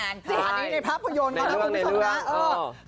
อันนี้ในภาพยนตร์ก็คือศพนั้น